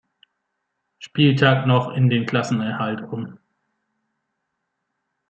Spieltag noch in den Klassenerhalt um.